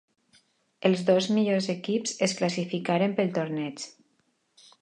Els dos millors equips es classificaren pel torneig: